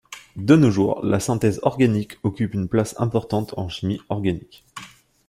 De nos jours, la synthèse organique occupe une place importante en chimie organique.